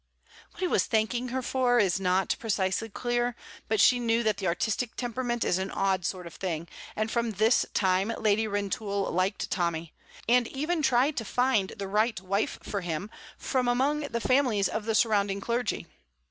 What he was thanking her for is not precisely clear, but she knew that the artistic temperament is an odd sort of thing, and from this time Lady Rintoul liked Tommy, and even tried to find the right wife for him among the families of the surrounding clergy.